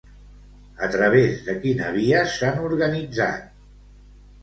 A través de quina via s'han organitzat?